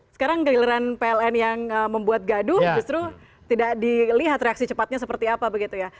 sekarang giliran pln yang membuat gaduh justru tidak dilihat reaksi cepatnya seperti apa begitu ya